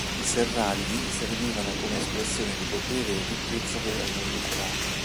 I serragli servivano come espressione di potere e ricchezza della nobiltà.